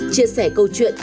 chia sẻ câu chuyện